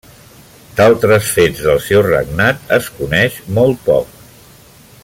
D'altres fets del seu regnat es coneix molt poc.